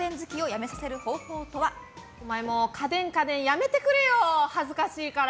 お前、家電家電やめてくれよ、恥ずかしいから。